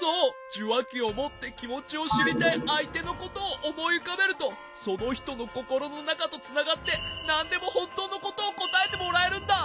じゅわきをもってきもちをしりたいあいてのことをおもいうかべるとそのひとのココロのなかとつながってなんでもほんとうのことをこたえてもらえるんだ。